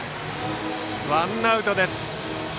ワンアウトです。